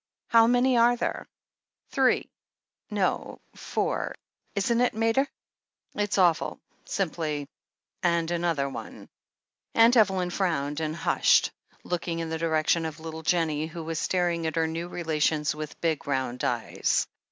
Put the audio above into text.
"How many are there ?" "Three — ^no, four, isn't it, mater? It's awful, simply — ^and another one " Aunt Evelyn frowned and hushed, looking in the direction of little Jennie, who sat staring at her new relations with big, round eyes.